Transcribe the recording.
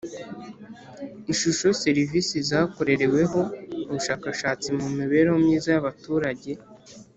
Ishusho Serivisi zakorereweho ubushakashatsi mu mibereho myiza y abaturage